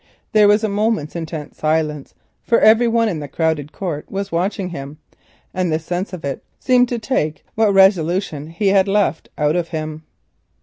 There was a moment's intense silence, for every one in the crowded court was watching him, and the sense of it seemed to take what resolution he had left out of him.